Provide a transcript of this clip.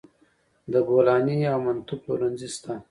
د بولاني او منتو پلورنځي شته